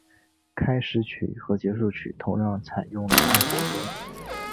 开始曲和结束曲同样采用了爱国歌。